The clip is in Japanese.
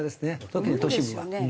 特に都市部は。